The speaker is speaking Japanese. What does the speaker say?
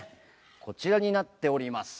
こちらになっております。